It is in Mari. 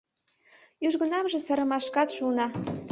Южгунамже сырымашкат шуына.